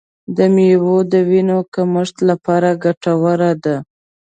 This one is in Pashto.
دا میوه د وینې کمښت لپاره ګټوره ده.